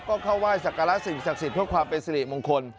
ก็เข้าไหว้สักการะสิ่งศักดิ์สิทธิ์เพื่อความเป็นสิริมงคล